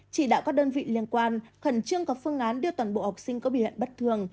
chỉ đạo các đơn vị liên quan khẩn trương có phương án đưa toàn bộ học sinh có biểu hiện bất thường